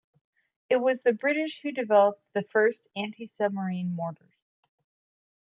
It was the British who developed the first anti-submarine mortars.